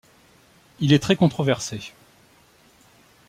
Il est très controversé.